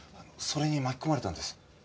それに巻き込まれたんです。